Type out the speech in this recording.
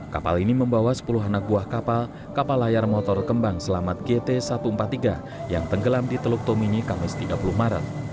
kapal ini membawa sepuluh anak buah kapal kapal layar motor kembang selamat gt satu ratus empat puluh tiga yang tenggelam di teluk tomini kamis tiga puluh maret